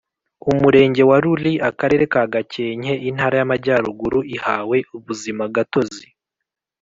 Umurenge wa Ruli Akarere ka Gakenke Intara y Amajyaruguru ihawe ubuzimagatozi